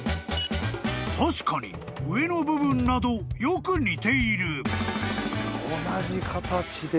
［確かに上の部分などよく似ている］